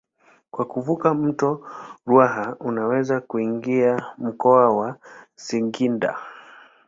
Kwa kuvuka mto Ruaha unaweza kuingia mkoa wa Singida.